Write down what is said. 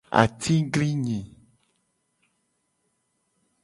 Atiglinyi.